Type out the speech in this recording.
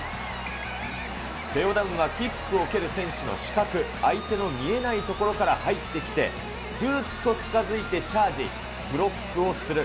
セオ・ダンはキックを受ける選手の死角、相手の見えない所から入ってきて、すっと近づいてチャージ、ブロックをする。